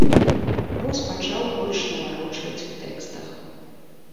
Вось пачаў больш наварочваць у тэкстах.